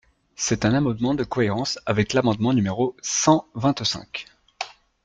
C’est un amendement de cohérence avec l’amendement numéro cent vingt-cinq.